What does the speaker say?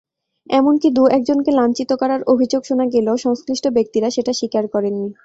এমনকি দু-একজনকে লাঞ্ছিত করার অভিযোগ শোনা গেলেও সংশ্লিষ্ট ব্যক্তিরা সেটা স্বীকার করেননি।